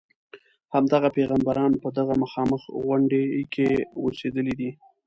همدغه پیغمبران په دغه مخامخ غونډې کې اوسېدلي دي.